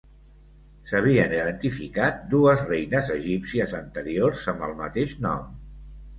S'havien identificat dues reines egípcies anteriors amb el mateix nom.